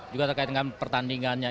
juga terkait dengan pertandingannya